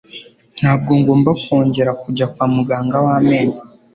Ntabwo ngomba kongera kujya kwa muganga wamenyo.